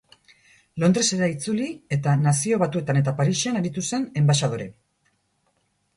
Londresera itzuli eta Nazio Batuetan eta Parisen aritu zen enbaxadore.